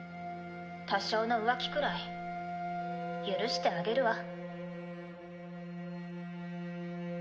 多少の浮気くらい許してあげるわ。